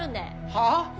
はあ？